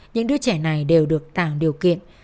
những đứa trẻ này đều được tàng điều kiện